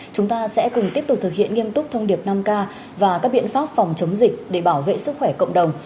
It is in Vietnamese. chúng ta sẽ cùng tiếp tục thực hiện nghiêm túc thông điệp năm k và các biện pháp phòng chống dịch để bảo vệ sức khỏe cộng đồng